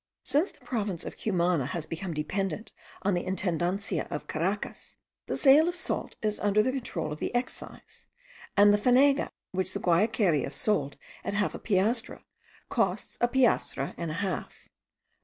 Since the province of Cumana has become dependent on the intendancia of Caracas, the sale of salt is under the control of the excise; and the fanega, which the Guayquerias sold at half a piastre, costs a piastre and a half.